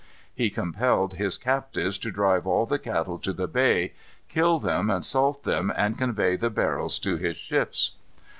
He compelled his captives to drive all the cattle to the bay, kill them and salt them, and convey the barrels to his ships.